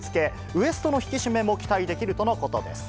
ウエストの引き締めも期待できるとのことです。